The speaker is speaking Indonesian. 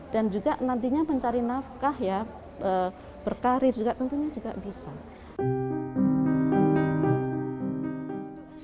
dan juga nantinya mencari nafkah ya berkarir juga tentunya juga bisa